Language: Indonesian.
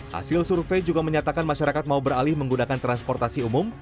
hasil survei juga menyatakan masyarakat mau beralih menggunakan transportasi umum